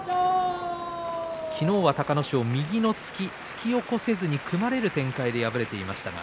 昨日は隆の勝、右の突き突き起こせずに組まれる展開で敗れました。